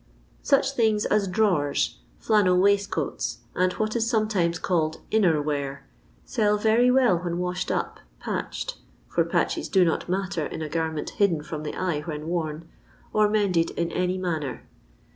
Such things as drawers, Jlannd waittcotUs, and what is sometime called '* inner wear," sell veiy well when washed up, patched — ^for patches do not matter in a garment hidden from the eye when worn — or mended in any manner.